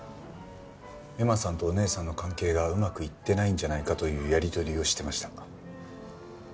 恵麻さんとお姉さんの関係がうまくいってないんじゃないかというやりとりをしてました。